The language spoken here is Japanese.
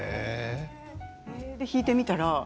弾いてみたら。